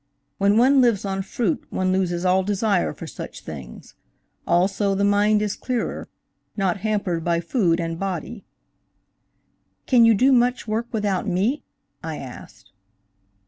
When one lives on fruit one loses all desire for such things–also the mind is clearer; not hampered by food and body." "Can you do much work without meat?" I asked.